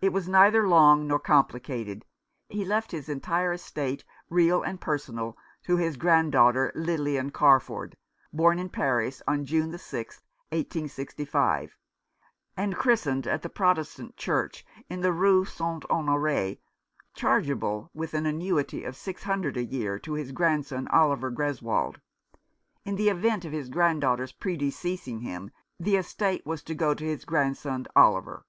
It was neither long nor complicated. He left his entire estate, real and personal, to his grand daughter, Lilian Carford, born in Paris on June 6th, 1865, and christened at the Protestant Church in the Rue St. Honore ; chargeable with an annuity of six hundred a year to his grandson Oliver Greswold. In the event of his grand daughter's predeceasing him, the estate was to go to his grandson Oliver.